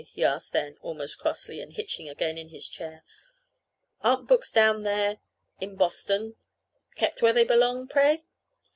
he asked then, almost crossly, and hitching again in his chair. "Aren't books down there in Boston kept where they belong, pray?"